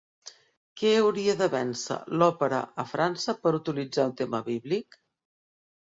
Què hauria de vèncer l'òpera a França per utilitzar un tema bíblic?